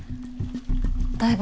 台場